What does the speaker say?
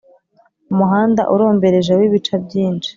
Umuhanda urombereje w’ibica byinshi